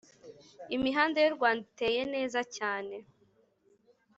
Imihanda y’ uRwanda iteye neza cyane